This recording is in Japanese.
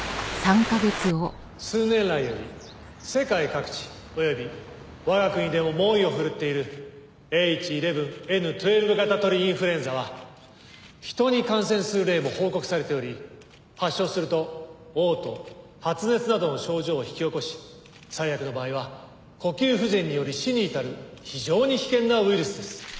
「数年来より世界各地及び我が国でも猛威を振るっているＨ１１Ｎ１２型鳥インフルエンザは人に感染する例も報告されており発症すると嘔吐発熱などの症状を引き起こし最悪の場合は呼吸不全により死に至る非常に危険なウイルスです」